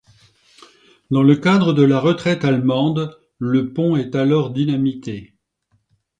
Dans le cadre de la retraite allemande, le pont est alors dynamité.